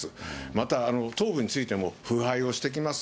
また頭部についても腐敗をしてきます。